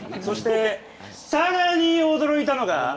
そしてさらに驚いたのが。